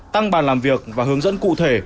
tăng bàn làm việc và hướng dẫn cụ thể